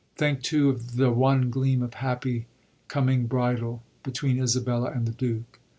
Think, too, of the one gleam of happy coming bridal between Isabella and the Duke.